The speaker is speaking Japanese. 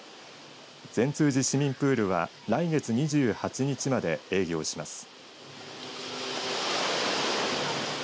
善通寺市民プールは来月２８日まで営業します。